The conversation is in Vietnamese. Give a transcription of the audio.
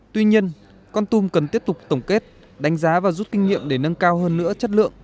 tuy nhiên con tum cần tiếp tục tổng kết đánh giá và rút kinh nghiệm để nâng cao hơn nữa chất lượng